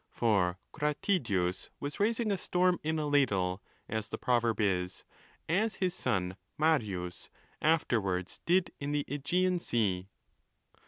For Gratidius was raising a storm in a ladle, as the proverb is, as his son Marius afterwards did in the Aigean sea.